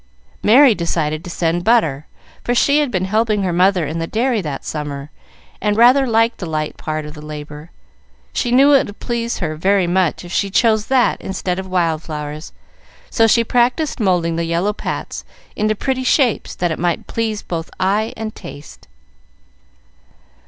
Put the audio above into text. Merry decided to send butter, for she had been helping her mother in the dairy that summer, and rather liked the light part of the labor. She knew it would please her very much if she chose that instead of wild flowers, so she practised moulding the yellow pats into pretty shapes, that it might please both eye and taste.